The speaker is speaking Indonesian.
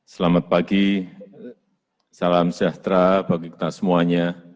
selamat pagi salam sejahtera bagi kita semuanya